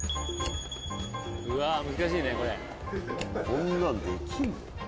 こんなんできるの？